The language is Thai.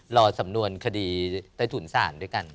รอสำนวนคดีในศูนย์ศาลด้วยกัน